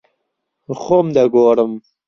خۆم دەگۆڕم.